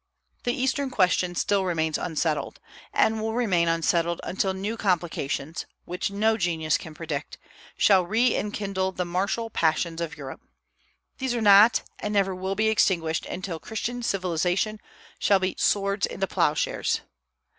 The Eastern question still remains unsettled, and will remain unsettled until new complications, which no genius can predict, shall re enkindle the martial passions of Europe. These are not and never will be extinguished until Christian civilization shall beat swords into ploughshares.